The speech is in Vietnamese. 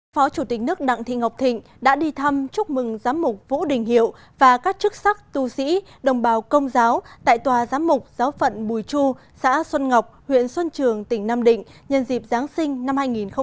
phó chủ tịch nước đặng thị ngọc thịnh đã đi thăm chúc mừng giám mục vũ đình hiệu và các chức sắc tu sĩ đồng bào công giáo tại tòa giám mục giáo phận bùi chu xã xuân ngọc huyện xuân trường tỉnh nam định nhân dịp giáng sinh năm hai nghìn một mươi chín